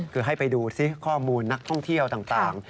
คือให้ไปดูซิข้อมูลนักท่องเที่ยวต่าง